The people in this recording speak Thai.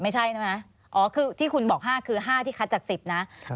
ใช่ไหมอ๋อคือที่คุณบอก๕คือ๕ที่คัดจาก๑๐นะ